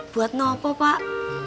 buat apa pak